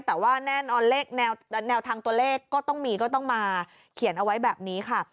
แต่ว่าแน่นอนเลขแนวทางตัวเลขก็ต้องมีก็ต้องมาเขียนเอาไว้แบบนี้ค่ะ